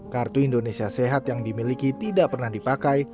kartu indonesia sehat yang dimiliki tidak pernah dipakai